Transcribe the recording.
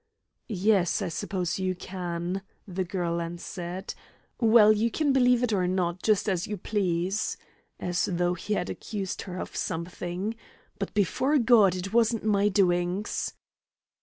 "Yes, I suppose you can," the girl answered. "Well, you can believe it or not, just as you please" as though he had accused her of something "but, before God, it wasn't my doings."